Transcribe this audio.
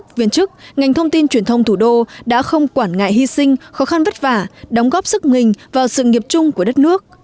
công viên chức ngành thông tin truyền thông thủ đô đã không quản ngại hy sinh khó khăn vất vả đóng góp sức mình vào sự nghiệp chung của đất nước